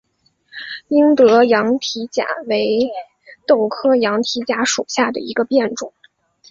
英德羊蹄甲为豆科羊蹄甲属下的一个变种。